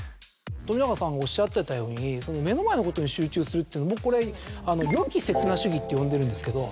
冨永さんがおっしゃってたように目の前のことに集中するという僕これ良き刹那主義って呼んでるんですけど。